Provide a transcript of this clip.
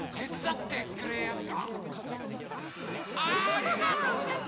ありがとうございやす！